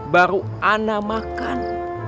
baru anak makan